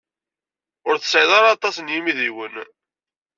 Ur tesɛid ara aṭas n yimidiwen.